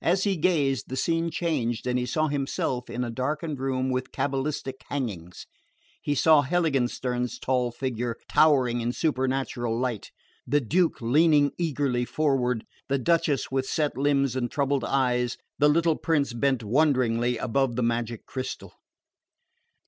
As he gazed, the scene changed, and he saw himself in a darkened room with cabalistic hangings. He saw Heiligenstern's tall figure, towering in supernatural light, the Duke leaning eagerly forward, the Duchess with set lips and troubled eyes, the little prince bent wonderingly above the magic crystal...